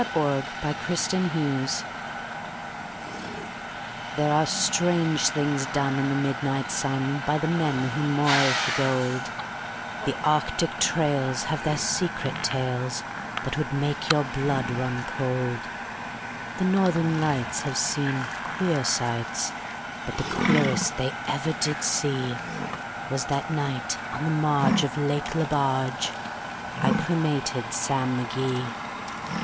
The Cremation of Sam Mcgee There are strange things done in the midnight sun By the men who moil for gold; The Arctic trails have their secret tales That would make your blood run cold; The Northern Lights have seen queer sights, But the queerest they ever did see Was that night on the marge of Lake Lebarge I cremated Sam McGee.